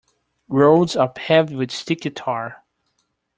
Roads are paved with sticky tar.